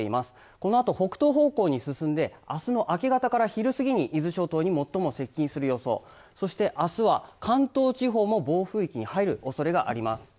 このあと北東方向に進んであすの明け方から昼過ぎに伊豆諸島に最も接近する予想そしてあすは関東地方も暴風域に入る恐れがあります